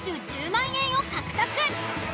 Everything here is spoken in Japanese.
１０万円を獲得！